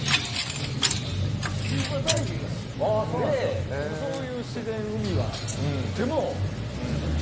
僕スキューバダイビングが好きでそういう自然、海は好きです。